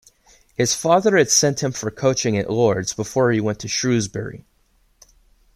His father had sent him for coaching at Lord's before he went to Shrewsbury.